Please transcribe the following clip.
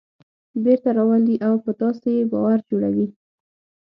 بېرته راولي او په تاسې یې باور جوړوي.